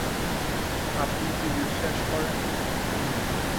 আপনি কি বিশ্বাস করেন?